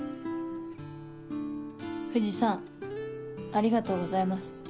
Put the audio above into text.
藤さんありがとうございます。